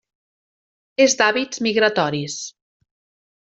És d'hàbits migratoris.